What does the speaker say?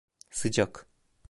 Sıcak!